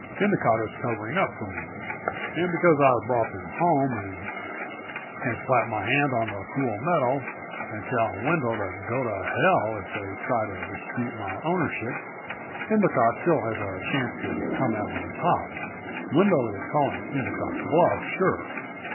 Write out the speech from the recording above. Endicott is covering up for me and because I've brought them home and can slap my hand on the cool metal and tell Wendel to go to hell if they try to dispute my ownership Endicott still has a chance to come out on top. Wendel is calling Endicott's bluff, sure.